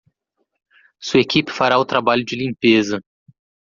Sua equipe fará o trabalho de limpeza.